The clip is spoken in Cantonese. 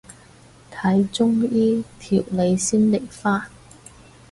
睇中醫調理先嚟返